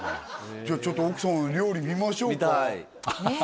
じゃあちょっと奥様の料理見ましょうかねえ